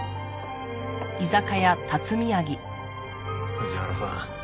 藤原さん